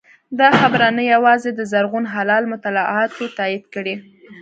دا خبره نه یوازې د زرغون هلال مطالعاتو تایید کړې